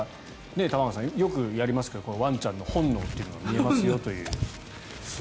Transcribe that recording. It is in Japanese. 玉川さんよくやりますけどワンちゃんの本能が見えますよという。